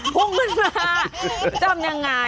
พุ่งขึ้นมาจำยังไง